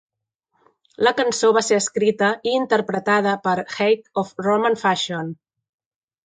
La cançó va ser escrita i interpretada per Height of Roman Fashion.